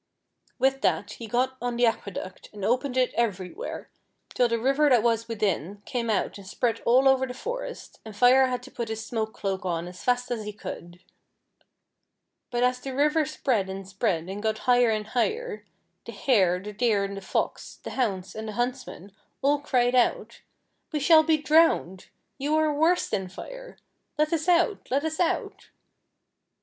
With that he got on the aqueduct, and opened it everywhere, till the river that was within came out FIKE AND WATER. 115 and spread over all the forest, and Fire had to put his smoke cloak on as fast as he could. But as the river spread and spread and got hij; her and luL^her, tlie Hare, the Deer, the Fox, the hounds, and the luintsmen all cried out, " We shall be drowned. You are worse than Fire. Let us out — let us out